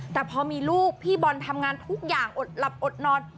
แต่พอมีลูกพี่บอลทำงานทุกอย่างอดหลับอดนอน